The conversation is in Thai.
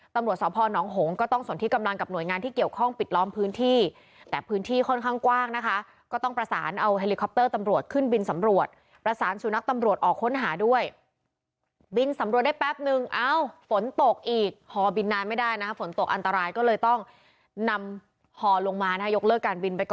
ตำรวจสพนหงก็ต้องสนที่กำลังกับหน่วยงานที่เกี่ยวข้องปิดล้อมพื้นที่แต่พื้นที่ค่อนข้างกว้างนะคะก็ต้องประสานเอาเฮลิคอปเตอร์ตำรวจขึ้นบินสำรวจประสานสุนัขตำรวจออกค้นหาด้วยบินสำรวจได้แป๊บนึงเอ้าฝนตกอีกหอบินนานไม่ได้นะฝนตกอันตรายก็เลยต้องนำหอลงมานะฮะยกเลิกการบินไปก